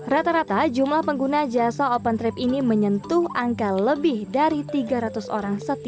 rata rata jumlah pengguna jasa open trip ini menyentuh angka lebih dari tiga ratus orang